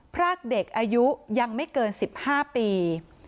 พรากเด็กอายุยังไม่เกิน๑๕ปี